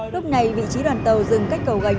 lúc này vị trí đoàn tàu dừng cách cầu gành